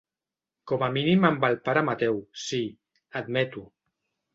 Com a mínim amb el pare Mateu, sí —admeto—.